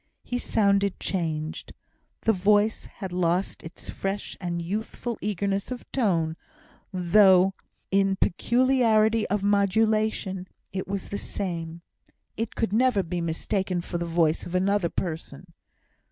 He sounded changed. The voice had lost its fresh and youthful eagerness of tone, though in peculiarity of modulation it was the same. It could never be mistaken for the voice of another person.